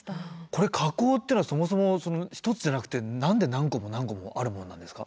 火口っていうのはそもそも一つじゃなくて何で何個も何個もあるもんなんですか？